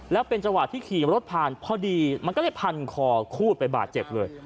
แล้วเป็นจังหวะที่ขี่รถผ่านพอดีมันก็เลยพันคอคูดไปบาดเจ็บเลย